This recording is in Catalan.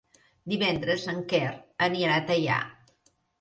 Divendres en Quer anirà a Teià.